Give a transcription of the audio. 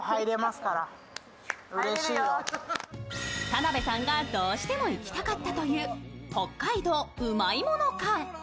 田辺さんがどうしても行きたかったという北海道うまいもの館。